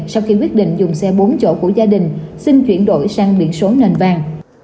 sau khi quyết định dùng xe bốn chỗ của gia đình xin chuyển đổi sang biển số nền vàng